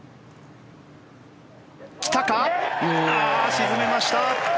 沈めました！